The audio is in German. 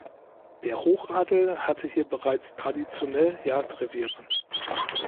Der Hochadel hatte hier bereits traditionell Jagdreviere.